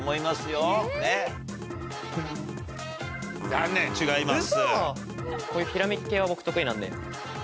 残念違います。